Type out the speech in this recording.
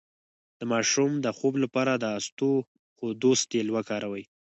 د ماشوم د خوب لپاره د اسطوخودوس تېل وکاروئ